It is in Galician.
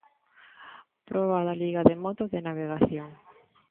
Proba da Liga de moto de navegación.